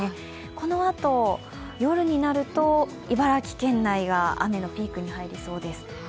このあと夜になると茨城県内が雨のピークに入りそうです。